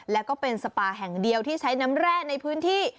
แล้วก็เป็นสปาแห่งเดียวที่ใช้น้ำแร่ในพื้นที่